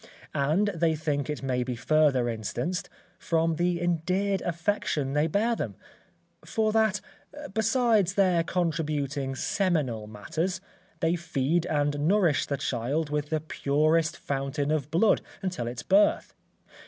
And they think it may be further instanced, from the endeared affection they bear them; for that, besides their contributing seminal matters, they feed and nourish the child with the purest fountain of blood, until its birth.